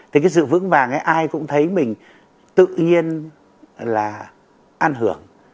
thì cái sự vững vàng ấy ai cũng thấy mình tự nhiên là an hưởng